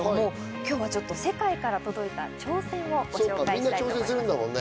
今日は世界から届いた挑戦をご紹介したいと思います。